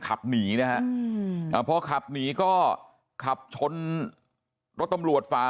ขับหนีนะฮะพอขับหนีก็ขับชนรถตำรวจฝา